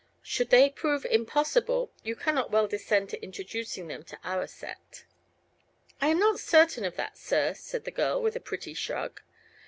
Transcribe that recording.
Should they prove impossible you cannot well descend to introducing them to our set." "I am not certain of that, sir," said the girl, with a pretty shrug.